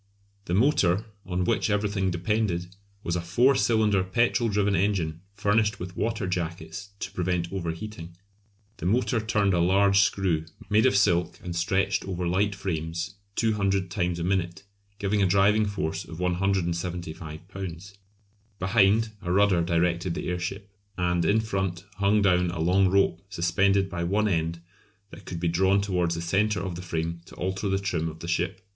The motor, on which everything depended, was a four cylinder petrol driven engine, furnished with "water jackets" to prevent over heating. The motor turned a large screw made of silk and stretched over light frames 200 times a minute, giving a driving force of 175 lbs. Behind, a rudder directed the airship, and in front hung down a long rope suspended by one end that could be drawn towards the centre of the frame to alter the trim of the ship.